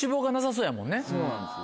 そうなんですよ。